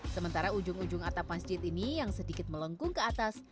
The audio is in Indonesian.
sementara ujung ujung atap masjid ini yang sedikit melengkung ke atas